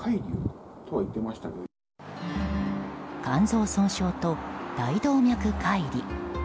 肝臓損傷と大動脈解離。